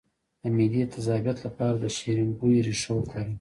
د معدې د تیزابیت لپاره د شیرین بویې ریښه وکاروئ